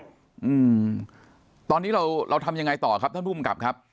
อืมตอนนี้เราเราทำยังไงต่อครับท่านภูมิกับครับ